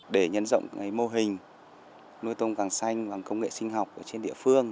để nhấn rộng mô hình nuôi trồng càng xanh và công nghệ sinh học trên địa phương